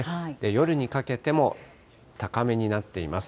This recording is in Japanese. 夜にかけても高めになっています。